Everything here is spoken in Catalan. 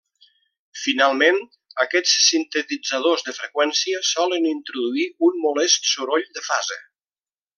Finalment, aquests sintetitzadors de freqüència solen introduir un molest soroll de fase.